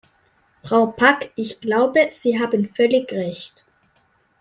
Frau Pack, ich glaube, Sie haben völlig recht.